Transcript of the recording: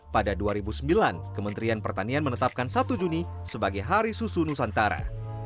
pada dua ribu sembilan kementerian pertanian menetapkan satu juni sebagai hari susu nusantara